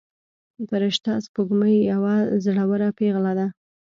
فرشته سپوږمۍ یوه زړوره پيغله ده.